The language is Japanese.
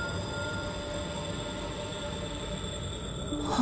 あ？